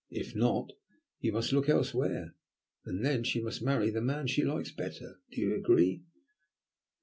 If not, you must look elsewhere, and then she must marry the man she likes better. Do you agree?"